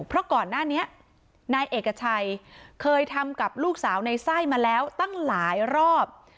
เพราะก่อนหน้านี้นายเอกชัยเคยทำกับลูกสาวในไส้มาแล้วตั้งหลายรอบ